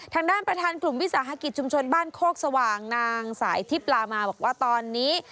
ทางด้านประธานกลุ่มวิสาหกิจชุมชนบ้านโคกสว่างนางสายทิพลามาบอกว่าตอนนี้